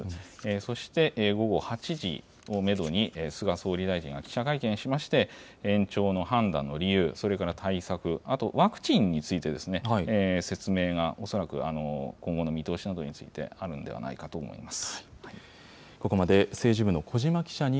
そして、午後８時をメドに、菅総理大臣が記者会見しまして、延長の判断の理由、それから対策、あとワクチンについて説明が恐らく、今後の見通しなどについて、あるんではないかと思います。